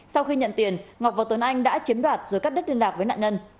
sau khi nhận tiền ngọc và tuấn anh đã chiếm đoạt rồi cắt đứt liên lạc với nạn nhân